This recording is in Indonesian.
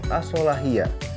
sebesar di kota kota